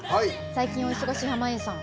最近お忙しい濱家さん